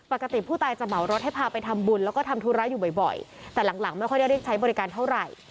ปกติผู้ตายจะเหมารถให้พาไปทำบุญแล้วก็ทำธุระอยู่บ่อยแต่หลังไม่ค่อยได้เรียกใช้บริการเท่าไหร่